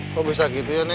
kok bisa gitu ya nenek